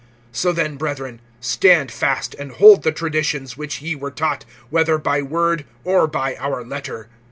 (15)So then, brethren, stand fast, and hold the traditions[2:15] which ye were taught, whether by word, or by our letter.